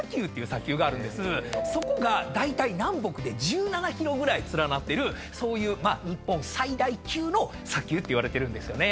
そこがだいたい南北で１７ｋｍぐらい連なってるそういう日本最大級の砂丘っていわれてるんですよね。